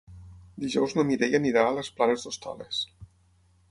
Dijous na Mireia anirà a les Planes d'Hostoles.